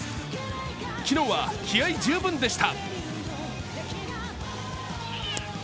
昨日は気合い十分でした。